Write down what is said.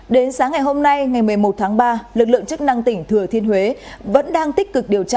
đến sáng ngày hôm nay ngày một mươi một tháng ba lực lượng chức năng tỉnh thừa thiên huế vẫn đang tích cực điều tra